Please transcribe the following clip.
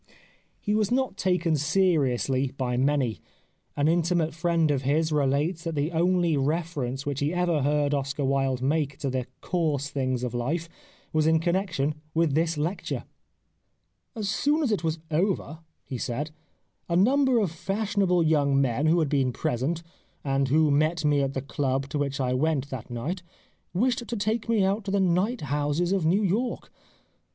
He was not taken seriously by many. An intimate friend of his relates that the only re ference which he ever heard Oscar Wilde make to the coarse things of life was in connection with this lecture. " As soon as it was over/' he said, " a number of fashionable young men who had been present, and who met me at the club to which I went that night, wished to take me out to the night houses of New York.